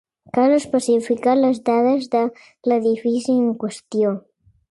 Cal especificar les dades de l'edifici en qüestió.